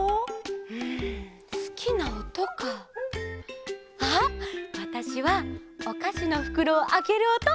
うんすきなおとか。あっわたしはおかしのふくろをあけるおと！